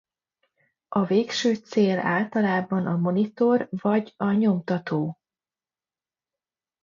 A végső cél általában a monitor vagy a nyomtató.